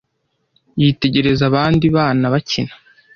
Yitegereza abandi bana bakina,